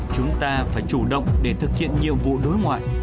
chúng ta phải chủ động để thực hiện nhiệm vụ đối ngoại